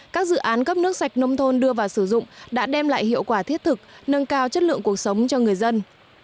các dự án cấp nước sạch nông thôn đưa vào sử dụng đã đem lại hiệu quả thiết thực nâng cao chất lượng cuộc sống cho người dân